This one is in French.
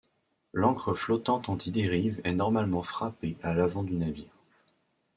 L'ancre flottante anti-dérive est normalement frappée à l'avant du navire.